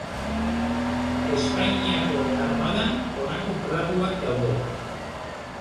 Espainiako Armadan honako graduak daude.